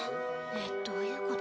えっどういうこと？